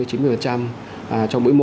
trong mũi một